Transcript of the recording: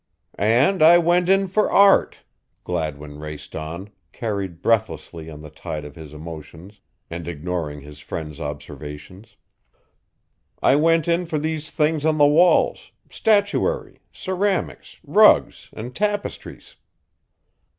"And I went in for art," Gladwin raced on, carried breathlessly on the tide of his emotions and ignoring his friend's observations. "I went in for these things on the walls, statuary, ceramics, rugs, and tapestries."